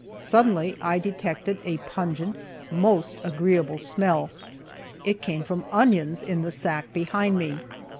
Suddenly I detected a pungent, most agreeable smell. It came from onions, in the sack behind me.